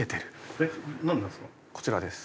こちらです。